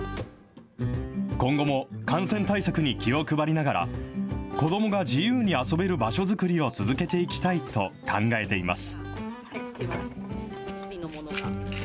今後も感染対策に気を配りながら、子どもが自由に遊べる場所作りを続けていきたいと考えています。